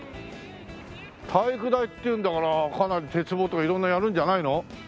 体育大っていうんだからかなり鉄棒とか色んなやるんじゃないの？